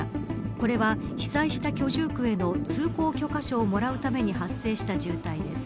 これは被災した居住区への通行許可証をもらうために発生した渋滞です。